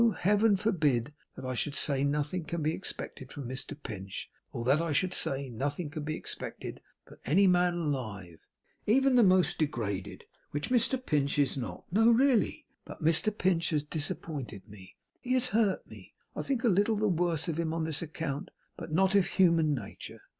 Heaven forbid that I should say, nothing can be expected from Mr Pinch; or that I should say, nothing can be expected from any man alive (even the most degraded, which Mr Pinch is not, no, really); but Mr Pinch has disappointed me; he has hurt me; I think a little the worse of him on this account, but not if human nature.